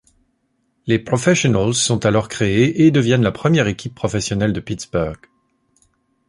Les Professionals sont alors créés et deviennent la première équipe professionnelle de Pittsburgh.